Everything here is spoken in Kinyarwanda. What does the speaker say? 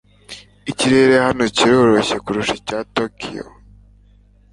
Ikirere hano kiroroshye kurusha icya Tokiyo.